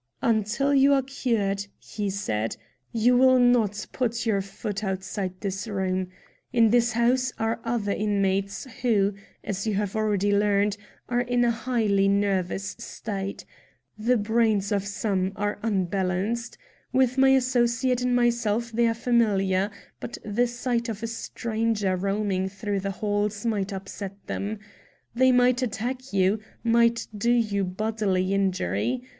"Until you are cured," he said, "you will not put your foot outside this room. In this house are other inmates who, as you have already learned, are in a highly nervous state. The brains of some are unbalanced. With my associate and myself they are familiar, but the sight of a stranger roaming through the halls might upset them. They might attack you, might do you bodily injury.